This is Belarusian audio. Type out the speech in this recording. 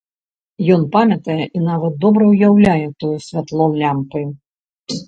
Ён памятае і нават добра ўяўляе тое святло лямпы.